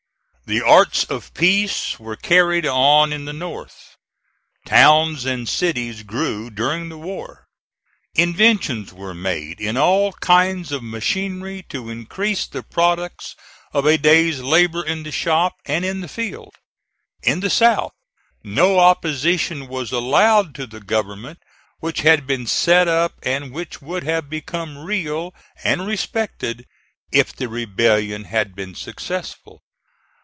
The arts of peace were carried on in the North. Towns and cities grew during the war. Inventions were made in all kinds of machinery to increase the products of a day's labor in the shop, and in the field. In the South no opposition was allowed to the government which had been set up and which would have become real and respected if the rebellion had been successful.